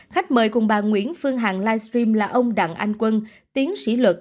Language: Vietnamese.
khách mời cùng bà nguyễn phương hằng livestream là ông đặng anh quân tiến sĩ luật